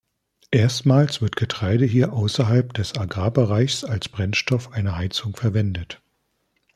Erstmals wird Getreide hier außerhalb des Agrar-Bereichs als Brennstoff einer Heizung verwendet.